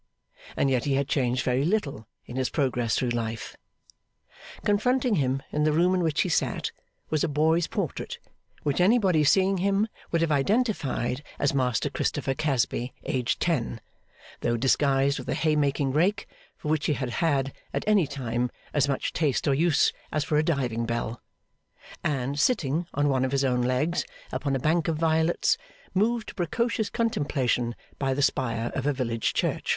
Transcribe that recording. And yet he had changed very little in his progress through life. Confronting him, in the room in which he sat, was a boy's portrait, which anybody seeing him would have identified as Master Christopher Casby, aged ten: though disguised with a haymaking rake, for which he had had, at any time, as much taste or use as for a diving bell; and sitting (on one of his own legs) upon a bank of violets, moved to precocious contemplation by the spire of a village church.